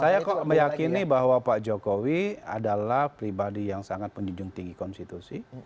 saya kok meyakini bahwa pak jokowi adalah pribadi yang sangat penjujung tinggi konstitusi